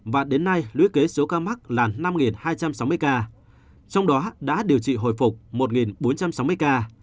và đến nay lũy kế số ca mắc là năm hai trăm sáu mươi ca trong đó đã điều trị hồi phục một bốn trăm sáu mươi ca